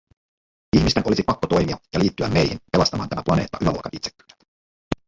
Ihmisten olisi pakko toimia ja liittyä meihin pelastamaan tämä planeetta yläluokan itsekkyydeltä.